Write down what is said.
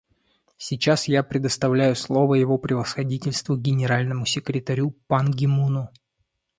Сейчас я предоставляю слово Его Превосходительству Генеральному секретарю Пан Ги Муну.